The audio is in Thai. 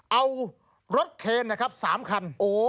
เอารถเครนสามคัน